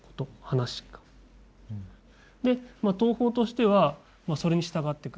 で東宝としてはそれに従ってく。